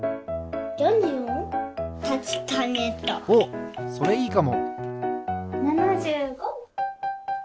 おっそれいいかも！